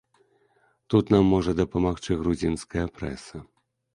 Тут нам можа дапамагчы грузінская прэса.